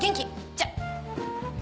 じゃあ。